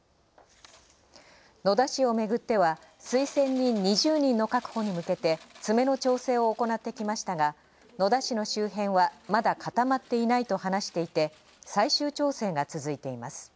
野田氏をめぐっては推薦人２０人の確保に向けて詰めの調整を行ってきましたが野田氏の周辺は「まだ固まっていない」と話していて、最終調整が続いています。